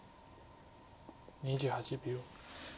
２８秒。